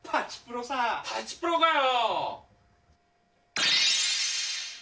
パチプロかよ！